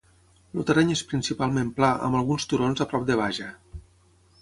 El terreny és principalment pla amb alguns turons a prop de Baja.